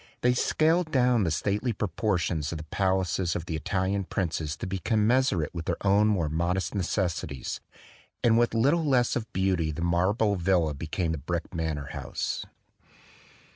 They scaled down the stately proportions of the pal aces of the Italian princes to be commensurate with their own more modest necessities; and with little less of beauty the marble villa be came the brick manor house.